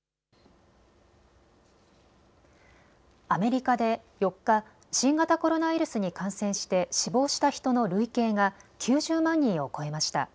アメリカで４日、新型コロナウイルスに感染して死亡した人の累計が９０万人を超えました。